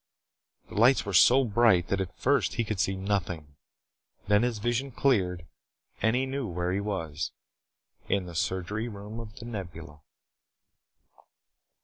The lights were so bright that at first he could see nothing. Then his vision cleared and he knew where he was in the surgery room of the Nebula.